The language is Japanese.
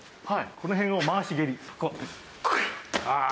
この辺をまわし蹴り。